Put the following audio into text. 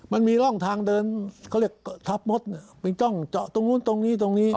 มันมีร่องทางเดินเขาเรียกทับมดไปจ้องเจาะตรงนู้นตรงนี้ตรงนี้